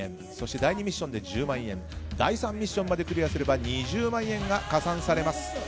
第２ミッションで１０万円第３ミッションまでクリアすれば２０万円が加算されます。